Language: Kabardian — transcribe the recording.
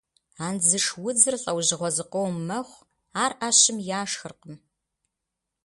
Андзыш удзыр лӏэужьыгъуэ зыкъом мэхъу, ар ӏэщым яшхыркъым.